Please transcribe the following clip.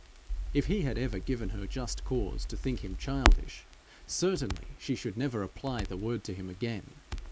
If he had ever given her just cause to think him childish, certainly she should never apply the word to him again!